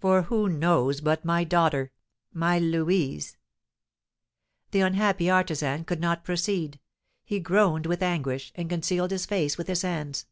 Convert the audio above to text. For who knows but my daughter my Louise " The unhappy artisan could not proceed; he groaned with anguish, and concealed his face with his hands.